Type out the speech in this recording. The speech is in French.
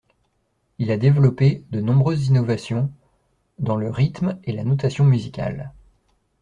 Il a développé de nombreuses innovations dans le rythme et la notation musicale.